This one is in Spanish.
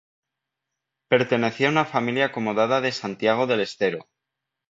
Pertenecía a una familia acomodada de Santiago del Estero.